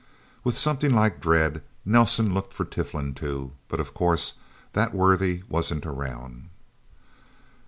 With something like dread, Nelsen looked for Tiflin, too. But, of course, that worthy wasn't around.